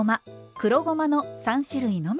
黒ごまの３種類のみ。